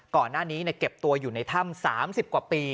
ก่อนหน้านี้เก็บตัวอยู่ในถ้ำ๓๐กว่าปี